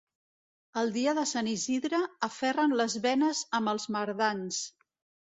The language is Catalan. El dia de Sant Isidre aferren les benes amb els mardans.